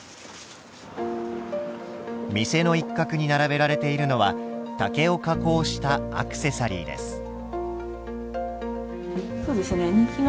店の一角に並べられているのは竹を加工したアクセサリーです。